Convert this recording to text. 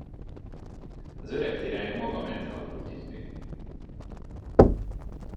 Az öreg király maga ment kaput nyitni.